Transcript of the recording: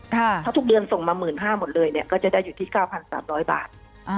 ถ้าทุกเดือนส่งมา๑๕๐๐หมดเลยเนี่ยก็จะได้อยู่ที่๙๓๐๐บาท